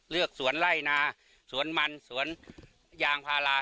สวนไล่นาสวนมันสวนยางพารา